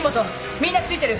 みんな付いてる。